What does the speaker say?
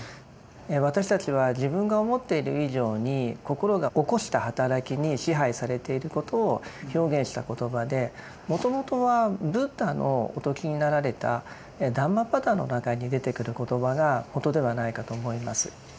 私たちは自分が思っている以上に心が起こした働きに支配されていることを表現した言葉でもともとはブッダのお説きになられた「ダンマパダ」の中に出てくる言葉がもとではないかと思います。